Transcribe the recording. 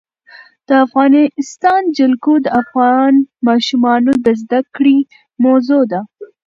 د افغانستان جلکو د افغان ماشومانو د زده کړې موضوع ده.